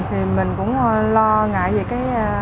thì mình cũng lo ngại về cái